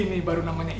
ini baru namanya ian